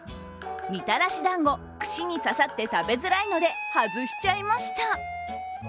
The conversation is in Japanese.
みたらしだんご串に刺さって食べづらいので外しちゃいました。